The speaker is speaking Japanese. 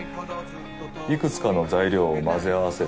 いくつかの材料を混ぜ合わせる。